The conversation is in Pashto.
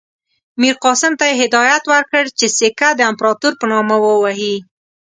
میرقاسم ته یې هدایت ورکړ چې سکه د امپراطور په نامه ووهي.